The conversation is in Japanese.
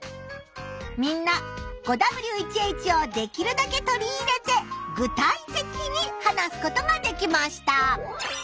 みんな５Ｗ１Ｈをできるだけ取り入れて具体的に話すことができました。